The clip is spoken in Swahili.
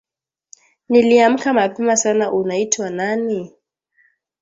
Niliamka mapema sana Unaitwa nani?